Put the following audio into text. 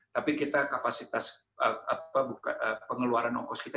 tapi kita kapasitas pengeluaran ongkos kita